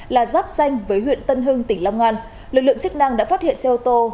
là giáp danh với huyện tân hưng tỉnh long an lực lượng chức năng đã phát hiện xe ô tô